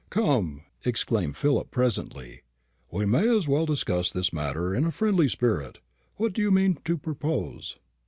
"Come," exclaimed Philip presently, "we may as well discuss this matter in a friendly spirit. What do you mean to propose?"